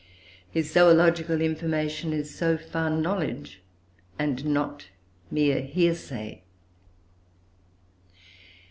His zoological information is, so far, knowledge and not mere hearsay.